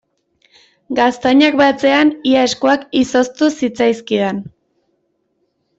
Gaztainak batzean ia eskuak izoztu zitzaizkidan.